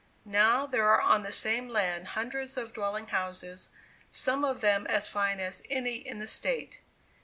Now there are on the same land hundreds of dwelling houses, some of them as fine as any in the State.